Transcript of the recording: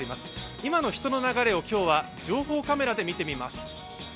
今の人の流れを今日は情報カメラで見てみます。